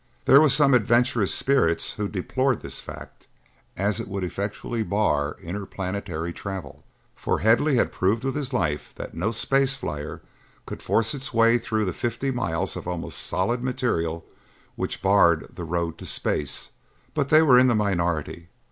There were some adventurous spirits who deplored this fact, as it would effectually bar interplanetary travel, for Hadley had proved with his life that no space flyer could force its way through the fifty miles of almost solid material which barred the road to space, but they were in the minority.